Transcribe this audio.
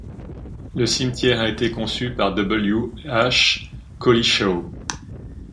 Le cimetière a été conçu par W H Cowlishaw.